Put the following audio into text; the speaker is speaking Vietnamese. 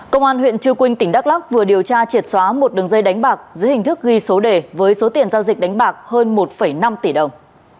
công an huyện trư quynh tỉnh đắk lắc vừa điều tra triệt xóa một đường dây đánh bạc dưới hình thức ghi số đề với số tiền giao dịch đánh bạc hơn một năm tỷ đồng